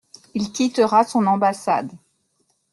Il quittera son ambassade.